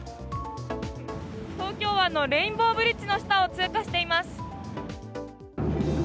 東京湾のレインボーブリッジの下を通過しています。